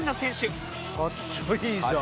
「かっちょいいじゃん」